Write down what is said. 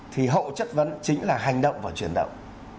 thì hậu chất vấn chính là hành động và chuyển động